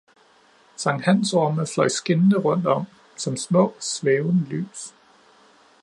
Sankthansorme fløj skinnende rundt om, som små svævende lys